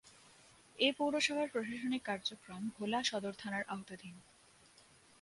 এ পৌরসভার প্রশাসনিক কার্যক্রম ভোলা সদর থানার আওতাধীন।